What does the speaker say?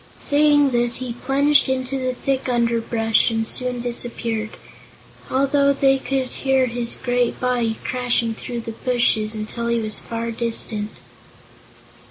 Saying this, he plunged into the thick underbrush and soon disappeared, although they could hear his great body crashing through the bushes until he was far distant.